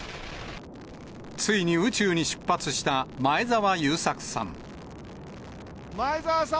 ついに宇宙に出発した前澤友作さん。